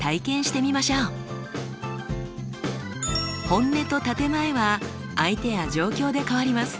本音と建て前は相手や状況で変わります。